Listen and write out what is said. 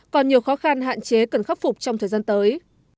còn nhiều khó khăn hạn chế cần khắc phục trong thời gian tới